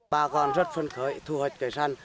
bà con rất phân khởi thu hoạch cây sắn